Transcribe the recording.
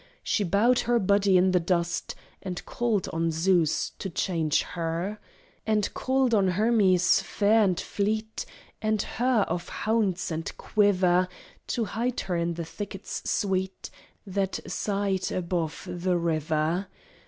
She bowed her body in the dust And called on Zeus to change her; And called on Hermes, fair and fleet, And her of hounds and quiver, To hide her in the thickets sweet That sighed above the river.